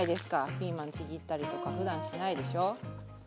ピーマンちぎったりとかふだんしないでしょ。